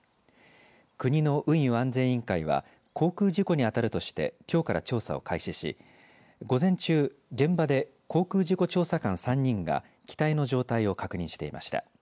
国の運輸安全委員会は航空事故に当たるとしてきょうから調査を開始し午前中、現場で航空事故調査官３人が機体の状態を確認していました。